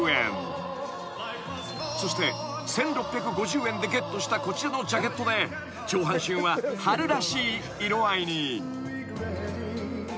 ［そして１，６５０円でゲットしたこちらのジャケットで上半身は春らしい色合いに］